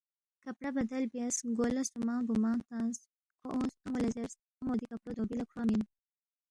کپڑا بدل بیاس، گو لہ سُومنگ بُومنگ تنگس، کھو اونگس، ان٘و لہ زیرس، ان٘و دی کپڑو دھوبی لہ کھروا مِن